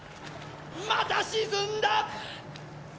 また沈んだ！